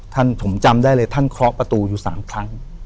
ผมจำได้เลยท่านเคาะประตูอยู่๓ครั้ง